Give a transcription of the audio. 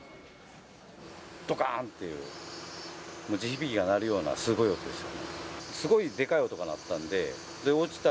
どかーんっていう、地響きが鳴るようなすごい音でした。